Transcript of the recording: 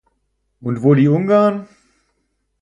Und wo die Ungarn?